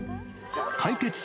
解決策